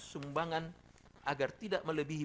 sumbangan agar tidak melebihi